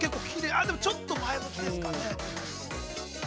あー、でもちょっと前向きですかね。